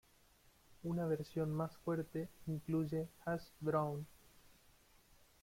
Una versión más fuerte incluye "hash brown".